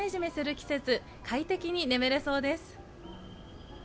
季節、快適に眠れそうです。